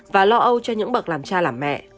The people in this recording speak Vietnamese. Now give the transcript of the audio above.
và lo âu cho những bậc làm cha làm mẹ